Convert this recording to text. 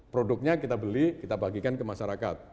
produknya kita beli kita bagikan ke masyarakat